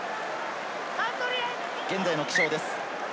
現在の気象です。